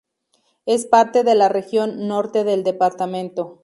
Es parte de la región norte del departamento.